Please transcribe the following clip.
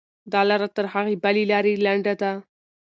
دا لاره تر هغې بلې لارې لنډه ده.